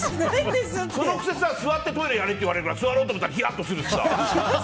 そのくせ座ってトイレやれって言われて座ろうと思ったらひやっとするしさ！